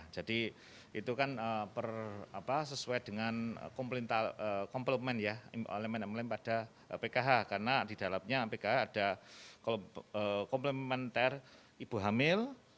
jadi itu kan sesuai dengan komplement pada pkh karena di dalamnya pkh ada komplementer ibu hamil